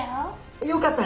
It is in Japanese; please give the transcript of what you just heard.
よかった。